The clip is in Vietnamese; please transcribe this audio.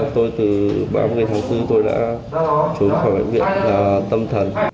tôi từ ba mươi tháng bốn tôi đã trốn khỏi bệnh viện tâm thần